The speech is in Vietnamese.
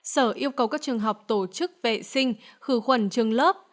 sở yêu cầu các trường học tổ chức vệ sinh khử khuẩn trường lớp